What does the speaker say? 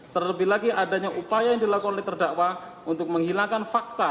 terlebih lagi adanya upaya yang dilakukan oleh terdakwa untuk menghilangkan fakta